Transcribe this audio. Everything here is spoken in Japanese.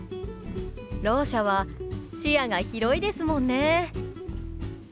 ろう者は視野が広いですもんね。